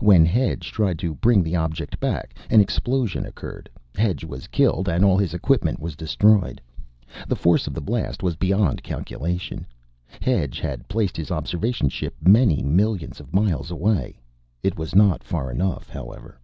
"When Hedge tried to bring the object back, an explosion occurred. Hedge was killed, and all his equipment was destroyed. The force of the blast was beyond calculation. Hedge had placed his observation ship many millions of miles away. It was not far enough, however.